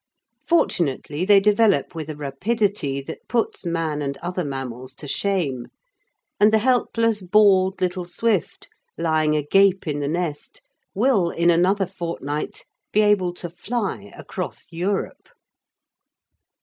Fortunately they develop with a rapidity that puts man and other mammals to shame, and the helpless bald little swift lying agape in the nest will in another fortnight be able to fly across Europe.